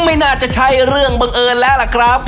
ไม่น่าจะใช่เรื่องบังเอิญแล้วล่ะครับ